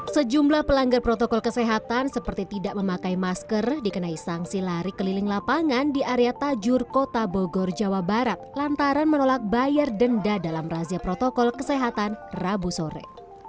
sejumlah pelanggar protokol kesehatan seperti tidak memakai masker dikenai sanksi lari keliling lapangan di area tajur kota bogor jawa barat lantaran menolak bayar denda dalam razia protokol kesehatan rabu sore